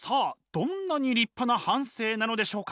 どんなに立派な半生なのでしょうか。